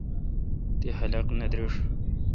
تی خلق نہ درݭ۔